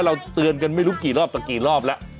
เราเตือนกันไม่รู้กี่รอบต่อกี่รอบแล้ว